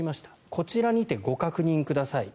こちらにてご確認ください。